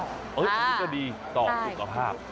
อันนี้ก็ดีต่อสุขภาพ